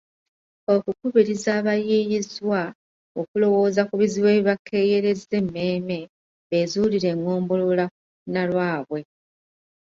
Okukubiriza abayiiyizwa okulowooza ku bizibu ebibakeeyereza emmeeme, beezuulire engombolola nnalwabwe